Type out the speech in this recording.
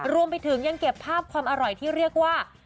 รวมไปถึงยังเก็บภาพความอร่อยที่เรียกว่า